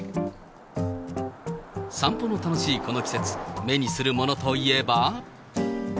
散歩の楽しいこの季節、目にするものといえば。